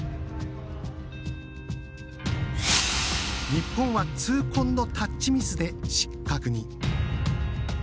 日本は痛恨のタッチミスで失格に。